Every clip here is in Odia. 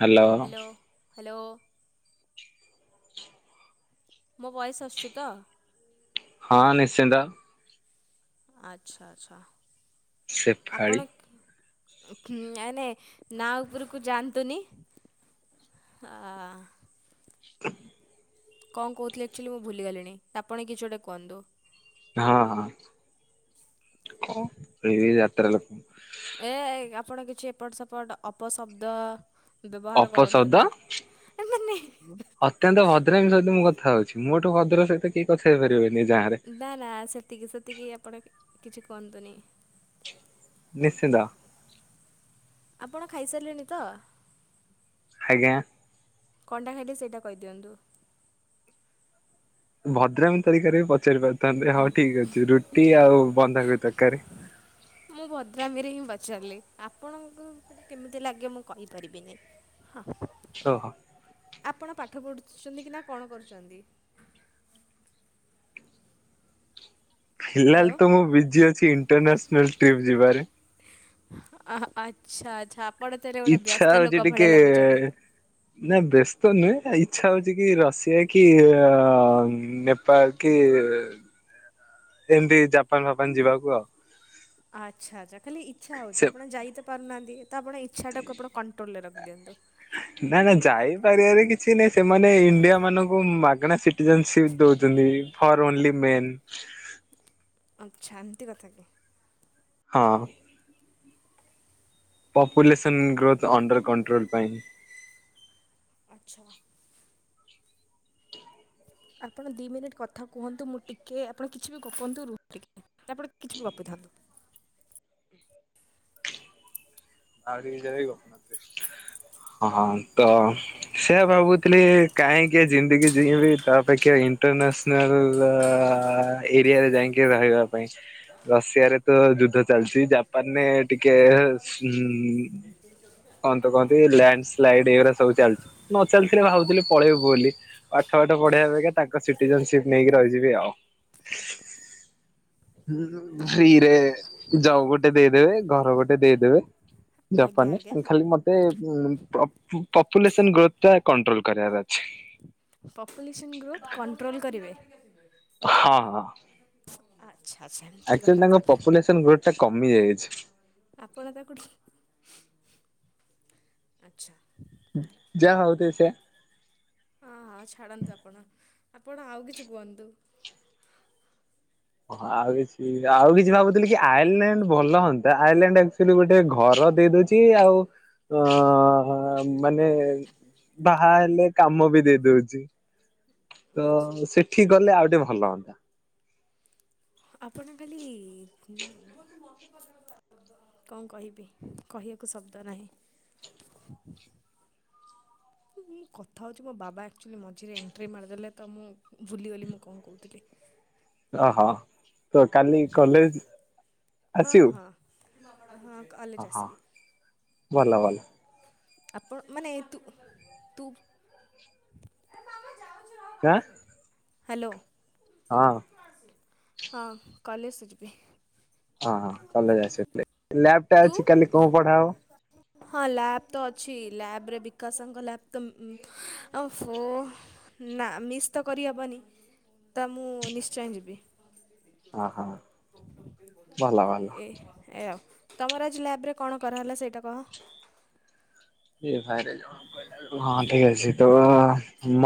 ହ୍ୟାଲୋ ହାଲୋ ହାଲୋ ମୋ ଭଏଜ୍ ଆସୁଛିତ ହଁ ନିଶ୍ଚିନ୍ତ। ଆଚ୍ଛା ଆଛା ଶେଫାଳି ଆପଣ କ ନାଇ ନାଏ ନାଁ ଉପରକୁ ଯାଆନ୍ତୁନି ଆ [inaudible] କଣ କହୁଥିଲେ ଆକ୍ଚୁଏଲି ମୁଁ ଭୁଲିଗଲିଣି ଆପଣ କିଛି ଗୋଟେ କୁହନ୍ତୁ। ହଁ ହଁ ଏଇ ଯାତ୍ରାଲୋକ ଏ ଏ ଆପଣ କିଛି ଏପଟ ସେପଟ ଅପଶବ୍ଦ ବ୍ୟବହାର କରନ୍ତୁ ଅପଶବ୍ଦ ନାହିଁ ଏମାନେ ଅତ୍ୟନ୍ତ ଭଦ୍ରାମୀ ସହିତ ମୁଁ କଥା ହଉଛି ମୋଠୁ ଭଦ୍ର ସହିତ କେହି କଥା ହେଇପାରିବେନି ଏ ଗାଁରେ ନା ନା ସେତିକି ସେତିକି ଆପଣ କିଛି କୁହନ୍ତୁନି ନିଶ୍ଚିନ୍ତ ଆପଣ ଖାଇସାରିଲେଣି ତ? ଆଜ୍ଞା। କଣଟା ଖାଇଲେ ସେଇଟା କହିଦିଅନ୍ତୁ ଭଦ୍ରାମି ତରିକରେ ବି ପଚାରି ପାରିଥାନ୍ତେ ହଉ ଠିକଅଛି ରୁଟି ଆଉ ବନ୍ଧାକୋବି ତରକାରୀ ମୁଁ ଭଦ୍ରାମୀରେ ହିଁ ପଚାରିଲି ଆପଣଙ୍କୁ କେମିତି ଲାଗେ ମୁଁ କହିପାରିବିନି ହଁ। ଓ ହୋ, ଆପଣ ପାଠ ପଢୁଛନ୍ତି କି ନା କଣ କରୁଛନ୍ତି? ହ୍ୟାଲୋ। ଫିଲାଲତ ମୁଁ ବିଜି ଅଛି ଇଣ୍ଟରନ୍ୟାସନାଲ ଟ୍ରିପ ଯିବାରେ ଆ ହା ଆଚ୍ଛା ଆଚ୍ଛା ଆପଣ ତାହେଲେ ଗୋଟେ ଇଚ୍ଛା ବ୍ୟସ୍ତ ହଉଛି ଲୋକ ଟିକେ ଭଳିଆ ଲାଗୁଛନ୍ତି। ନା ବ୍ୟସ୍ତ ନୁହେଁ ଇଛା ହଉଛିକି ରଷିଆକି ଆ ନେପାଳକି ଆ ଏମିତି ଜାପାନ ଫାପାନ ଯିବାକୁ ଆଉ ଆଚ୍ଛା ଆଚ୍ଛା ଖାଲି ଇଛା ହଉଛି ସେ ଆପଣ ଯାଇତ ପାରୁନାହାନ୍ତିତ ଆପଣ ଇଚ୍ଛାଟାକୁ କଣ୍ଟ ଟୋଲେ ରେ ରଖିଦିଅନ୍ତୁ। ନା ନା ଯାଇପାରିବାରେ କିଛି କିଛି ନାଇଁ ସେମାନେ ଇଣ୍ଡିଆ ମାନଙ୍କୁ ମାଗଣା ସିଟିଜନସିଟ ଦଉଛନ୍ତି। ଫର ଓନଲି ମେଲ ଆଛା ଏମିତିକଥା କି? ହଁ। ପପୁଲେସନ୍ ଗ୍ରୋଥ ଅଣ୍ଡର କଣ୍ଟ୍ରୋଲ ପାଇଁ। ଆଚ୍ଛା। ଆପଣ ଦି ମିନିଟ୍ କଥା କୁହନ୍ତୁ ମୁଁ ଟିକେ ଆପଣ କିଛି ବି ଗପନ୍ତୁ ରୁହ ଟିକେ ଆପଣ କିଛି ବି ଗପିଥାନ୍ତୁ। ଆଉ ଟିକ ହଁ ତ ସେଆ ଭାବୁଥିଲି କାହିଁକି ଏ ଜିଂଦି ଯିବି ତା ଅପେକ୍ଷା ଇଣ୍ଟରନ୍ୟାସନାଲ ଆ ଆ ଆ ଏରିଆରେ ଯାଇକି ରହିବା ପାଇଁ। ରଷିଆରେ ତ ଯୁଦ୍ଧ ଚାଲିଛି ଜାପାନରେ ଟିକେ ହୁଁ ହ କହନ୍ତି ଲ୍ୟାଣ୍ଡ ସ୍ଲାଇଡ ଏଇଗୁଡା ସବୁ ଚାଲିଚି ନ ଚାଲିଥିଲେ ଭାବୁଥିଲେ ପଳେଇବୁ ବୋଲି ପାଠ ଆଠ ପଢେବି ଅପେକ୍ଷା ତାଙ୍କ ସିଟିଜନସିପ ନେଇକି ରହିଯିବି ଆଉ। ଫ୍ରିରେ ଜବ ଗୋଟେ ଦେଇଦେବେ ଘର ଗୋଟେ ଦେଇଦେବେ ଆଜ୍ଞା ଆଜ୍ଞା ଜାପାନରେ ଖାଲି ମତେ ପ ପପୁଲେସନ ଗ୍ରୋଥ ଟା କଣ୍ଟ୍ରୋଲ କରିବାର ଅଛି। ପପୁଲେସନ୍ ଗ୍ରୋଥ କଣ୍ଟ୍ରୋଲ୍ କରିବେ? ହଁ। ଆଚ୍ଛା ଆଛା। ଆକ୍ଚୁଆଲି ତାଙ୍କ ପପୁଲେସନ ଗ୍ରୋଥ ଟା କମି ଯାଇଇଛି। ଆପଣ ତାକୁଠ ଆଛା। ଯା ହଉ ଦେ ସେୟା ହଁ ହଁ ଛାଡ଼ନ୍ତୁ ଆପଣ ଆପଣ ଆଉ କିଛି କୁହନ୍ତୁ। ହ ଆଉ କିଛି ଆଉ କିଛି ଭାବୁଥିଲି କି ଆଇରଲାଣ୍ଡ ଭଲ ହୁଅନ୍ତା ଆଇରଲାଣ୍ଡ ଆକ୍ଚୁଆଲି ଗୋଟେ ଘର ଦେଇ ଦଉଛି ଆଉ ଅ ଅ ମାନେ ବାହା ହେଲେ କାମ ବି ଦେଇ ଦଉଛି। ତ ଆଚ୍ଛା ସେଠିକି ଗଲେ ଆଉ ଟିକେ ଭଲ ହୁଅନ୍ତା। ଆପଣ ଖାଲି କଣ କହିବି କହିବାକୁ ଶବ୍ଦ ନାହିଁ। ମୁଁ କଥା ହେଉଛି ମୋ ବାବା ଆକ୍ଚୁଆଲି ମଝିରେ ଏଣ୍ଟ୍ରି ମାରିଦେଲେ ତ ମୁଁ ଭୁଲିଗଲି ମୁଁ କଣ କହୁଥିଲି। ଓହୋ ତ କାଲି କଲେଜ ହଁ ଆସିବୁ? ହଁ ହଁ କଲେଜେ ଆସିବି। ଭଲ ଭଲ। ଆପଣ ମାନେ ତୁ ତୁ କା ହ୍ୟାଲୋ। ହଁ। ହଁ କଲେଜ୍ ଯିବି। ହଁ ହଁ କଲେଜ ଆସିଥିଲେ ଲ୍ୟାବ୍ ଟା ତୁ ଅଛି କାଲି କଣ ପଢ଼ା ହବ ହଁ ଲ୍ୟାବ୍ ତ ଅଛି ଲ୍ୟାବ୍ ରେ ବିକାଶଙ୍କ ଲ୍ୟାବ୍ ତ ଓ ଫୋ ନା ମିସ୍ ତ କରିହେବନି ତ ମୁଁ ନିଶ୍ଚୟ ଯିବି। ହଁ ହଁ ଭଲ [unintelligible] ଭଲ ଏ ଏ ଆଉ ତମର ଆଜି ଲ୍ୟାବ୍ ରେ କଣ କରାହେଲା ସେଇଟା କହ? ହଁ ଠିକ୍ ଅଛି ତ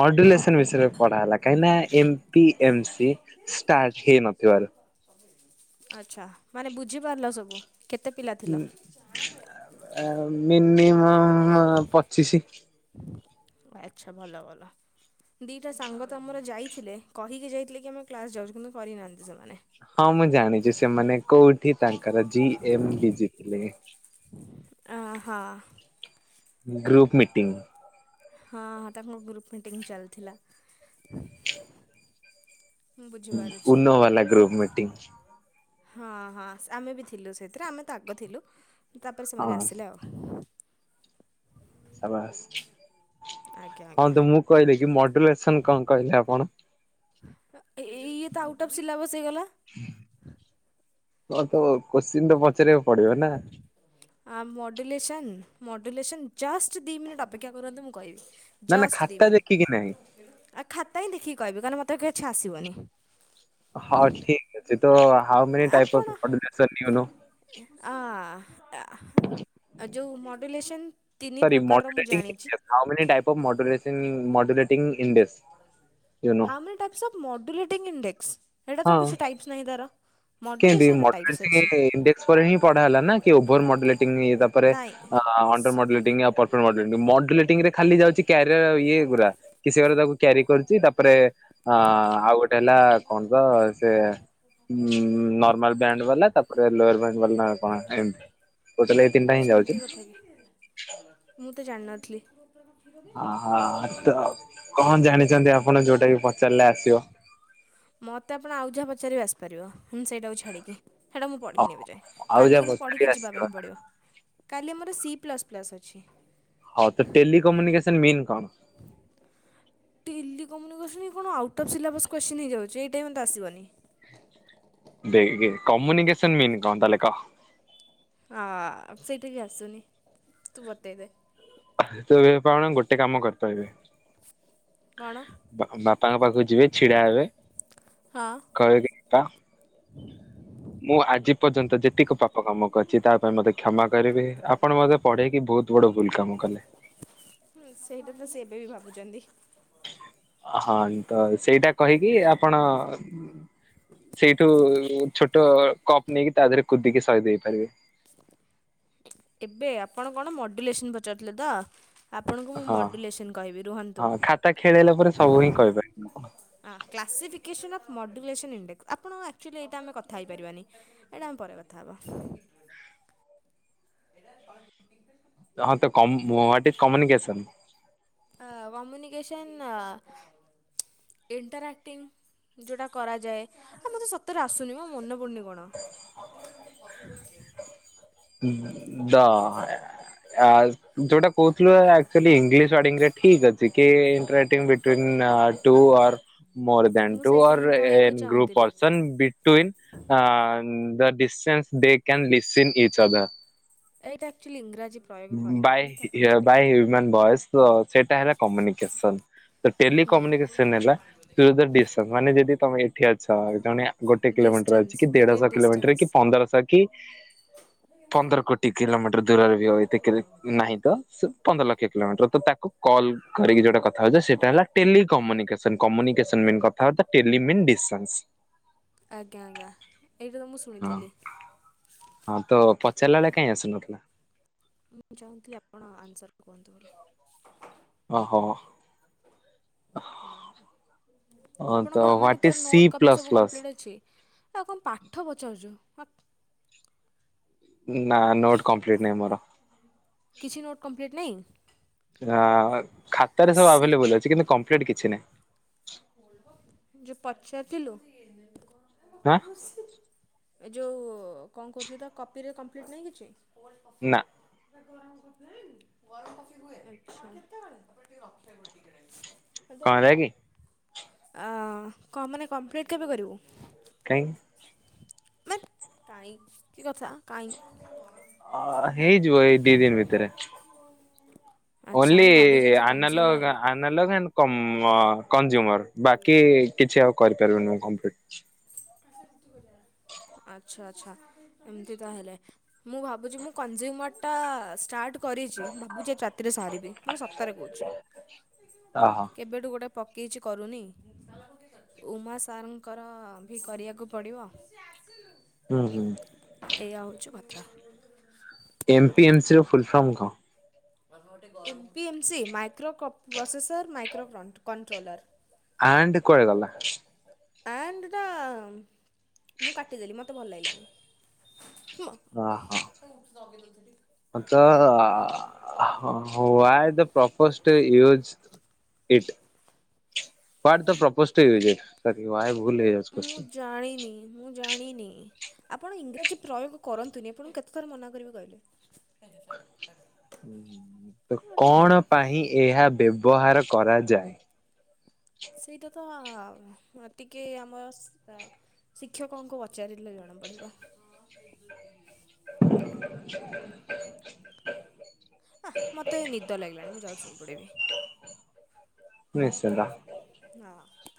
ମଡ୍ୟୁଲେସନ୍ ବିଷୟରେ ପଢା ହେଲା କାହିଁକିନା M P M C start ହେଇନଥିବାରୁ। ଆଚ୍ଛା ମାନେ ବୁଝିପାରିଲ ସବୁ କେତେ ପିଲା ଥିଲ? ମିନିମମ୍ ଅଁ ପଚିଶି। ଆଚ୍ଛା ଭଲ ଭଲ। ଦୁଇଟା ସାଙ୍ଗ ତ ଆମର ଯାଇଥିଲେ କହିକି ଯାଇଥିଲେ କି ଆମେ କ୍ଲାସ୍ ଯାଉଛୁ କିନ୍ତୁ କରିନାହାନ୍ତି ସେମାନେ। ହଁ ମୁଁ ଜାଣିଛି ସେମାନେ କୋଉଠି ତାଙ୍କର ଜି ଏମ୍ ବିଜିଥିଲେ। ଅଁ ହ ଗ୍ରୁପ ମିଟିଂ। ହଁଁ ତାଙ୍କ ଗ୍ରୁପ୍ ମିଟିଂ ଚାଲିଥିଲା। ମୁଁ ବୁଝିପାରୁଛି ଉନୋ ବାଲା ଗ୍ରୁପ୍ ମିଟିଂ। ହଁ ହଁ ଆମେ ବି ଥିଲୁ ସେଥିରେ ଆମେ ତ ଆଗ ଥିଲୁ ତାପରେ ସେମାନେ ହଁ ଆସିଲେ ଆଉ ବା ଆଜ୍ଞା ହଁ ଆଜ୍ଞା ତ ମୁଁ କହିଲି କି ମଡୁଲେସନ କଣ କହିଲେ ଆପଣ? ଏଇ ଇଏ ତ ଆଉଟ ଅଫ୍ ସିଲାବସ୍ ହେଇଗଲା। ହ ତ କୋଶ୍ଚିିନ୍ ତ ପଚାରିବାକୁ ପଡି଼ବ ନା। ଆ ମଡ଼ୁଲେସନ୍ ମଡ଼ୁଲେସନ୍ ଜଷ୍ଟ ଦୁଇ ମିନିଟ୍ ଅପେକ୍ଷା କରନ୍ତୁ ମୁଁ କହିବି ନା ନା ଜଷ୍ଟ ଦି ଖାତା ମିନିଟ୍ ଦେଖିକି ନାହିଁ। ଆଉ ଖାତା ହିଁ ଦେଖିକି କହିବି କହ ମତେ କିଛି ଆସିବନି। ହଁ ଠିକ୍ ଅଛି ତ ହାଓ ମେନି ଟାଇପ୍ ଆପଣ ଅଫ୍ ମଡ୍ୟୁଲେସନ୍ ୟୁ ନୋ ଆ ଆହାଁ ଯଉ ମୋଡ୍ୟୁଲେସନ୍ ତିନି ପ୍ରକାରର ମୁଁ ଜାଣିଛି। How many type modulation modulating index you know? How many types of modulation index ହେଟୀ ତ କିଛି ଟାଇପ୍ସ ନାହିଁ ତାର। କେମତି ମଡୁଲେସନ୍ ର ଟାଇପ୍ସ ମଡୁଲେସିଂ ଅଛି ଇନ୍ଡେକ୍ସ ପରେ ହଁ ପଢା ହେଲା ଓଭର ମଡୁଲେଟଂ ନାଇଁ ଅଣ୍ଡର୍ ମଡୁଲେଟିଂ ଆଉ ପ୍ରପର୍ ମଡୁଲେଟିଂରେ ଖାଲି ଯାଉଛି କ୍ୟାରିଅର ଇଏ ଗୁରା କି ସେ ଘରେ ତାକୁ କ୍ୟାରି କରୁଛି ତାପରେ ଆ ଆଉ ଗୋଟେ ହେଲା କଣ ତ ସେ ଉ ନର୍ମାଲ ବ୍ୟାଣ୍ଡ ବାଲା ତାପରେ ଲ୍ୟା ବା କଣ କହୁଥୁଲେ ଆଚ୍ଛା ଏମିତି କଥା କି ମୁଁ ତ ଜାଣିନଥିଲି। ଅହ ତ କଣ ଜାଣିଛନ୍ତି ଆପଣ ଯୋଉଟା କି ପଚାରିଲେ ଆସିବ? ମୋତେ ଆପଣ ଆଉ ଯାହା ପଚାରିକି ଆସିପାରିବ ହୁଁ ସେଇଟାକୁ ଛାଡ଼ିକି। ହେଇଟା ମୁଁ ହଉ ପଢ଼ିନି ଏବେ ଯାଏ ଆଉ କାଲି ଯାହା କିନ୍ତୁ ପଚାରିବା ପଢ଼ିକି ଯିବା ଆସିବ ପାଇଁ ପଡି଼ବ। କାଲି ମୋର ସି ପ୍ଲସ୍ ପ୍ଲସ୍ ଅଛି। ହଉ ତ ଟେଲିକମ୍ୟୁନିକସନ ମିନ୍ କଣ? [inaudible] ଟେଲି କମୁନିକେସନ୍ କି କଣ ଆଉଟ ଅଫ୍ ସିଲାବସ୍ କୋଶ୍ଚିନ୍ ହେଯାଉଛି ଏଇଟା ବି ମତେ ଆସିବନି। ବେଇକି କମୁନିକେସନ୍ ମିନ୍ କଣ ତାହେଲେ କହ? ଆ ସେଇଟା ବି ଆସୁନି ତୁ ବତେଇ ଦେ ତ ଏବେ ପାଉଣ ଗୋଟେ କାମ କରିପାରବେେ କ'ଣ ବାପାଙ୍କ ପାଖକୁ ଯିବେ ଛିଡ଼ା ହେବେ। ହଁ [unintelligible] ମୁଁ ଆଜି ପର୍ଯ୍ୟନ୍ତ ଯେତିକି ପାପ କାମ କରିଛି ତା ପାଇଁ ମୋତେ କ୍ଷମା କରିବି ଆପଣ ମୋତେ ପଢ଼େଇକି ବହୁତ ବଡ଼ ଭୁଲ୍ କାମ କଲେ। ହଁ ସେଇଟା ତ ସେ ଏବେ ବି ଭାବୁଛନ୍ତି। ହଁ ତ ସେଇଟା କହିକି ଆପଣ ସେଇଠୁ ଛୋଟ କପ୍ ନେଇକି ତା ଦେହରେ କୁଦିକି ସହି ହେଇ ପାରିବେ। ଏବେ ଆପଣ କଣ ମଡ଼ୁଲେସନ୍ ପଚାରୁଥିଲେ ତ? ଆପଣଙ୍କୁ ମୁଁ ହଁ ମଡ଼ୁଲେସନ୍ କହିବି ରୁହନ୍ତୁ। ହଁ ଖାତା ଖେଳେଇଲା ପରେ ସବୁ ହିଁ କହିପାରିବେ। ହଁ କ୍ଲାସିଫିକେସନ୍ ଅଫ୍ ମଡୁଲେସନ୍ ଇଣ୍ଡେକ୍ସ ଆପଣଙ୍କ ଆକ୍ଚଆଲି ଏଇଟା ଆମେ କଥା ହେଇପାରିବାନି। ଏଇଟା ଆମ ପରେ କଥା ହବ। ଏଇଟା [unintelligible] [unintelligible] କମ ୱାଟ୍ କମ୍ୟୁନିକସନ୍? କମ୍ୟୁନିକେଶନ୍ ଇଣ୍ଟରାକ୍ଟିଂ ଯୋଉଟା କରାଯାଏ ଆଉ ମତେ ସତରେ ଆସୁନି ମୋ ମନେ ପଡ଼ୁନି କଣ। ଦ ଆ ଯୋଉଟା କହୁଥିଲୁ ଆକଚୁଆଲି ଇଂଲିଶ ୱାର୍ଡ ଠିକ୍ ଅଛି। କି ଇଣ୍ଟକ୍ଟିଂ ବିଟୁଇନ୍ ଟୁ ଅର ମୋର ଦେନ୍ ମୁଁ ଟୁ ସେଇଟା ଅର୍ ହିଁ ଏ କହିବାକୁ ଗ୍ରୁପ ଚାହୁଁଥିଲି। Person between uh the distance they can listen each other. ଏଇଟା ଆକ୍ଚୁଆଲି ଇଂରାଜୀ ପ୍ରୟୋଗ [unintelligible] ବାଇ କରିହେବନି ତ ଆପଣ ପାଟି କର ବାଇ ହ୍ୟୁମନ୍ ଭଏସ୍ ତ ସେଟା ହେଲା କମ୍ୟୁନିକେସନ ତ ଟେଲି ହୁଁ କମ୍ୟୁନିକେସନ ହେଲା ତୁ ଯଦି ଡ଼ିସ୍ ମାନେ ଯଦି ତମେ ଏଠି ଅଛ ଜଣେ ଗୋଟେ କିଲୋମିଟର ଡିଷ୍ଟାନ୍ସ ଅଛି କି ୱିଦିନ୍ ଦେଢଶହ କିଲୋମିଟର ଡିଷ୍ଟାନ୍ସ କି ପନ୍ଦରଶହ କି ପନ୍ଦର କୋଟି କିଲୋମିଟର ଦୂରରେ [unintelligible] ହଉ ଏତ ନାହିଁ ତ ସ ପନ୍ଦର ଲକ୍ଷ କିଲୋମିଟର ତ ତାକୁ କଲ୍ କରିକି ଯେଉଁଟା କଥା ହେଉଛ ସେଇଟା ହେଲା ଟେଲିିକମ୍ୟୁନିକେସନ୍ କମ୍ୟୁନିକେସନ୍ ମିନ୍ ଗ ଟେଲିମିନ୍ ଡ଼ିସନ୍ସ ଆଜ୍ଞା ଆଜ୍ଞା ଏଇଟା ତ ମୁଁ ହଁ ଶୁଣିଥିଲି। ହଁ ତ ପଚାରିଲା ବେଳେ କାଇଁ ଆସୁନଥିଲା? ମୁଁ ଚାହୁଁଥିଲି ଆପଣ ଆନ୍ସର କୁହନ୍ତୁ ବୋଲି ଅହ ଆ ତ ଆପଣଙ୍କ ମାନେ ହ୍ୱାଟ ତୋ is C note copy plus ସବୁ ପ୍ଲସ୍ କମ୍ପ୍ଲିଟ୍ ଅଛି। ଆଉ କଣ ପାଠ ପଚାରୁଛୁ ହଟ ନା ନୋଟ କମ୍ପ୍ଲିଟ୍ ନାହିଁ ମୋର। କିଛି ନୋଟ୍ କମ୍ପ୍ଲିଟ ନାହିଁ। ଆଃ ଖାତାରେ ସବୁ ସି ଆଭେଲେବୁଲ୍ ଅଛି କିନ୍ତୁ କମ୍ପ୍ଲିଟ୍ କିଛି ନାହିଁ। ଯେ ପଚାରଥିଲୁ? ହାଁ ଛି ଏ ଯୋଉ କଣ କହୁଥିଲି ତ କପିରେ କମ୍ପ୍ଲିଟ୍ ନାହିଁ କିଛି? କୋଲ୍ଡ଼ କଫି ନା ଗରମ କରି ଦେବି କି ଗରମ କଫି ହୁଏ ଆଚ୍ଛା ଆଉ କେତେବେଳେ ତାକୁ ଟିକେ ରଖିବାକୁ ପଡ଼େ ଟିକେ ଟାଇମ୍ କଁ ହେଲା କି? ଆ କ ମାନେ କମ୍ପ୍ଲିଟ୍ କେବେ କରିବୁ? କାଇଁ [unintelligible] କାହିଁ କି କଥା କାହିଁ। ଅ ହେଇଯିବ ଏଇ ଦି ଦିନ ଭିତରେ ଆଚ୍ଛା ଓନ୍ଲି ମୁଁ ଭାବିଛି ଆଜି ଆନାଲ କନଜ୍ୟୁମର ହେଲେ। ଆଃ ନାଲଗ୍ ଆଉ କମ ଅ କଞ୍ଜୁମର ବାକି କିଛି ଆଉ କରିପାରିବନି କମ୍ପ୍ଲିଟ୍ ଆଚ୍ଛା ଆଚ୍ଛା ଏମତି ତାହଲେ ମୁଁ ଭାବୁଛି ମୁଁ କଞ୍ଜୁମର ଟା ଷ୍ଟାଟ୍ କରିଛି ଭାବୁଛି ରାତିରେ ସରିବି ମୁଁ ସତରେ କହୁଛି ଓହୋ। କେବେଠୁ ଗୋଟେ ପକାଇଛି କରୁନି ଉମା ସାରଙ୍କର ବି କରିବାକୁ ପଡ଼ିବ ହୁଁ ହୁଁ ଏଇଆ ହେଉଛି କଥା ଏମ୍ ପି ଏମ୍ ସି ର ଫୁଲ ଫର୍ମ କଣ? M P M C microprocessor microcontroller. And କୁଆଡ଼େ ଗଲା? ଆଣ୍ଡ ଟା ମୁଁ କାଟିଦେଲି ମତେ ଭଲ ଲାଗିଲାନି। ମ ଅ ହ। [unintelligible] ମତ why the purpose use it what ତ propose the use it. Why ଭୁଲ ହେଇ ଯାଉଛି ମୁଁ କୋସ୍‌ଚ଼ିନ୍ ଜାଣିନି ମୁଁ ଜାଣିନି। ଆପଣ ଇଂରାଜୀ ପ୍ରୟୋଗ କରନ୍ତୁନି ଆପଣ କେତେ ଥର ମନା କରିବେ କହିଲେ। [inaudible] ତ ଗୋଟେ କଣ ପାଇଁ ଏହା ବ୍ୟବହାର କରାଯାଏ। ସେଇଟା ତ ଟିକେ ଆମ ଶିକ୍ଷକଙ୍କୁ ପଚାରିଲେ ଜଣାପଡ଼ିବ। [inaudible] ହ ମତେ ନିଦ ଲାଗିଲାଣି, ମୁଁ ଯାଉଚି ଶୋଇପଡିବି। ନିଶ୍ଚିନ୍ତ। [inaudible]